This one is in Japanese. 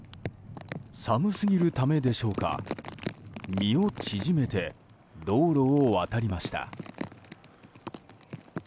寒すぎるためでしょうか身を縮めて、道路を渡りました。